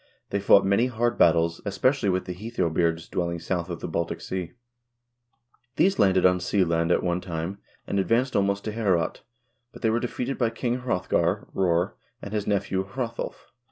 They fought many hard battles, especially with the Heathobeards dwelling south of the Baltic Sea. These landed on Seeland at one time, and advanced almost to Heorot, but they were defeated by King Hrothgar (Roar) and his nephew Hrothulf (Rolf Krake).